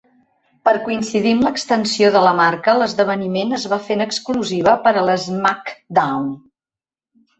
Per coincidir amb l'extensió de la marca, l'esdeveniment es va fer en exclusiva per a l'SmackDown!